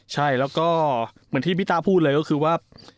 ใช่แล้วก็เหมือนที่พี่ต้าพูดเลยก็คือว่า